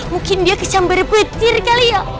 mungkin dia kecamber petir kali ya